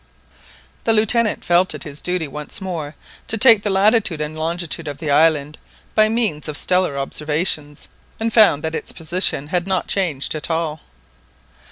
The Lieutenant felt it his duty once more to take the latitude and longitude of the island by means of stellar observations, and found that its position had not changed at all.